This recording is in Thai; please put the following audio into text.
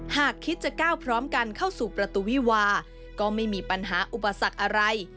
หากคิดจะก้าวพร้อมกันเข้าสู่ประตูวิวาก็ไม่มีปัญหาอุปสรรคอะไร